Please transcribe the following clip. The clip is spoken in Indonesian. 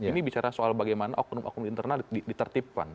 ini bicara soal bagaimana okunum okunum internal ditertipkan